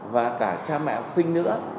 và cả cha mẹ học sinh nữa